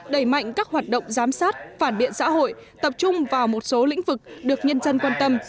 đẩy mạnh các hoạt động giám sát phản biện xã hội tập trung vào một số lĩnh vực được nhân dân quan tâm